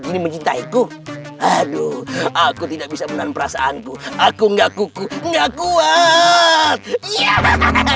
gini mencintaiku haduh aku tidak bisa menahan perasaanku aku nggak kuku nggak kuat iya hahahaha